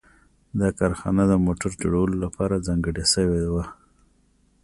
دا کارخانه د موټر جوړولو لپاره ځانګړې شوې وه